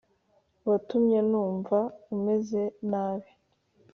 watumye numva umeze nabi